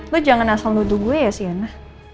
lo jangan asal nuduh gue ya siana